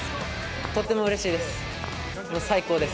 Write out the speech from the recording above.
とってもうれしいです。